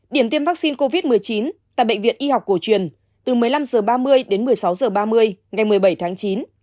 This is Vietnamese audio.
điểm tiêm vaccine covid một mươi chín tại bệnh viện y học cổ truyền từ một mươi năm h ba mươi đến một mươi sáu h ba mươi ngày một mươi bảy tháng chín